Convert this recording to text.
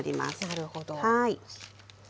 なるほど。